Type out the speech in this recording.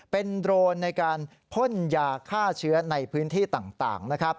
เป็นโดรนในการพ่นยาฆ่าเชื้อในพื้นที่ต่างนะครับ